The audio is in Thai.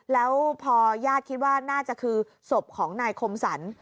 แล้วพอญาติคิดว่าน่าจะคือศพของนายคมสรร